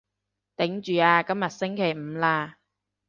頂住啊，今日星期五喇